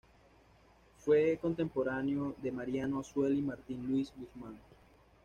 Fue contemporáneo de Mariano Azuela y Martín Luis Guzmán.